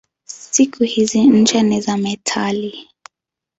Siku hizi ncha ni za metali.